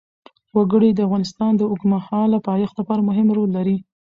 وګړي د افغانستان د اوږدمهاله پایښت لپاره مهم رول لري.